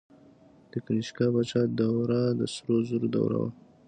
د کنیشکا پاچا دوره د سرو زرو دوره وه